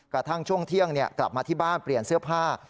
กระทั่งช่วงเที่ยงกลับมาที่บ้านเปลี่ยนเสื้อผ้า